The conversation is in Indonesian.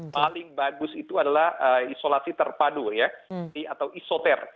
paling bagus itu adalah isolasi terpadu ya atau isoter